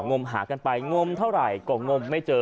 มหากันไปงมเท่าไหร่ก็งมไม่เจอ